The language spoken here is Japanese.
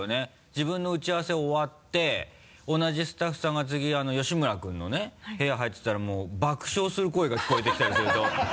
自分の打ち合わせ終わって同じスタッフさんが次吉村君のね部屋入っていったらもう爆笑する声が聞こえてきたりすると。